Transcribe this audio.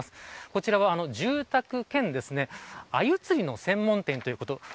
こちらは住宅兼アユ釣りの専門店ということです。